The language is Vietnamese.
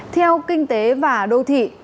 theo kinh tế và đô thị